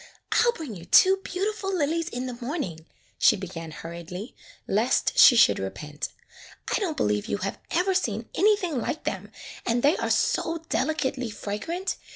"I 'll bring you two beautiful lilies in the morning," she began hurriedly, lest she should repent. "I don't believe you have ever seen anything like them, and they are so delicately fragrant.